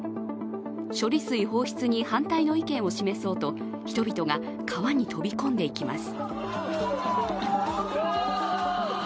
処理水放出に反対の意見を示そうと人々が川に飛び込んでいきます。